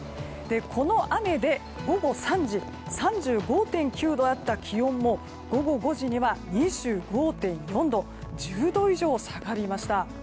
この雨で、午後３時３５．９度あった気温も午後５時には２５．４度と１０度以上下がりました。